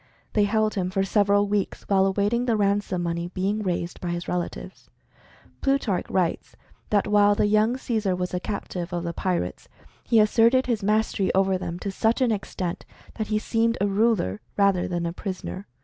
They held him for several weeks, while awaiting the ransom money being raised by his relatives. Plutarch 28 Mental Fascination writes that while the young Caesar was the captive of the pirates, he asserted his mastery over them to such an extent that he seemed a ruler rather than a pris oner.